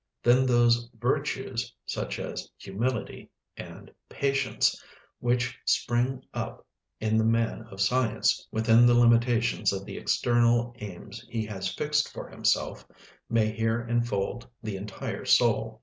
Then those virtues, such as humility and patience, which spring up in the man of science within the limitations of the external aims he has fixed for himself, may here enfold the entire soul.